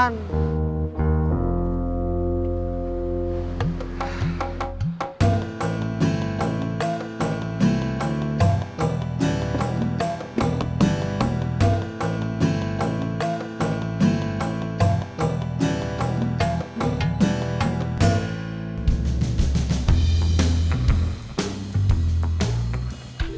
uangnya di rumah